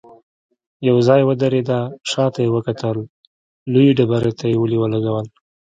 يو ځای ودرېده، شاته يې وکتل، لويې ډبرې ته يې ولي ولګول.